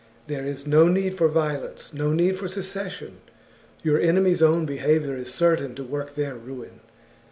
There is no need for violence, no need for secession ; your enemies' own behaviour is certain to work their ruin.